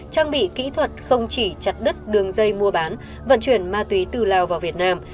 trang bị kỹ thuật không chỉ chặt đứt đường dây mua bán vận chuyển ma túy từ lào vào việt nam